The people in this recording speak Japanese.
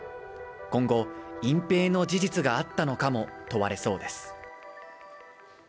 今後、隠蔽の事実があったのかも問われそうです。